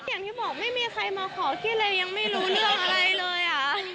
อย่างที่บอกไม่มีใครมาขอขี้เลยยังไม่รู้เรื่องอะไรเลยอ่ะ